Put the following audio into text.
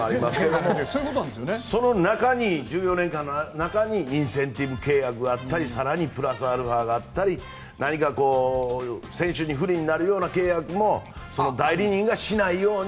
その１４年間の中にインセンティブ契約があったり更にプラスアルファがあったり何か選手に不利になるような契約も代理人がしないように。